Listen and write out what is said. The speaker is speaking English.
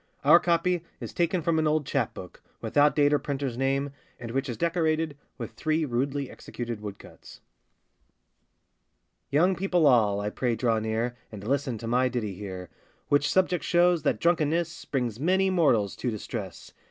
Our copy is taken from an old chap book, without date or printer's name, and which is decorated with three rudely executed wood cuts.] YOUNG people all, I pray draw near, And listen to my ditty here; Which subject shows that drunkenness Brings many mortals to distress!